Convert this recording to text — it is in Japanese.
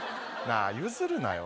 あ譲るなよ